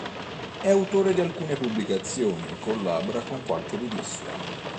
È autore di alcune pubblicazioni e collabora con qualche rivista.